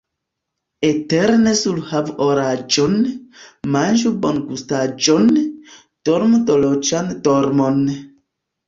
Eterne surhavu oraĵon, manĝu bongustaĵon, dormu dolĉan dormon!